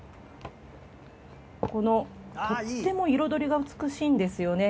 このとっても彩りが美しいんですよね。